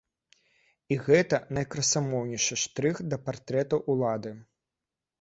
І гэта найкрасамоўнейшы штрых да партрэта ўлады.